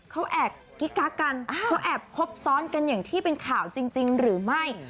เขาแอบกิ๊กกักกันเขาแอบคบซ้อนกันอย่างที่เป็นข่าวจริงหรือไม่